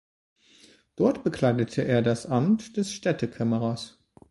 Dort bekleidete er das Amt des Stadtkämmerers.